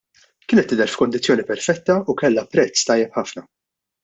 Kienet tidher f'kondizzjoni perfetta u kellha prezz tajjeb ħafna.